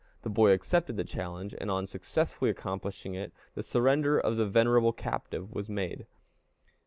The boy accepted the challenge, and on successfully accomplishing it, the surrender of the venerable captive was made.